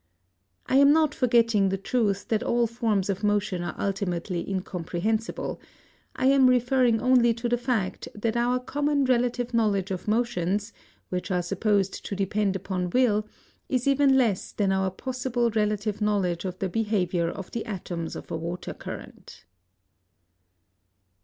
I am not forgetting the truth that all forms of motion are ultimately incomprehensible: I am referring only to the fact that our common relative knowledge of motions, which are supposed to depend upon will, is even less than our possible relative knowledge of the behavior of the atoms of a water current.